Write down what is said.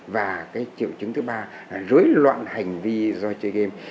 và điều chứng thứ ba là dối loạn hành vi do chơi game